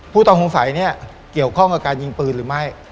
ผู้ต้องสงสัยเนี่ยเกี่ยวข้องกับการยิงปืนหรือไม่